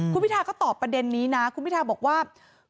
คุณพิทาก็ตอบประเด็นนี้นะคุณพิทาบอกว่า